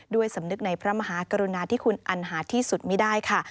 สำนึกในพระมหากรุณาที่คุณอันหาที่สุดไม่ได้ค่ะ